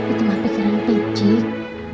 itu mah pikiran pijik